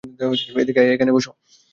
এদিকে আয়, এখানে বোস্।